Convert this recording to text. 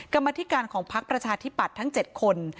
กรรมธิการของพักประชาธิปัตย์ทั้ง๗คน